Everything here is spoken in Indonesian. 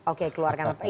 oke keluarkanlah perpu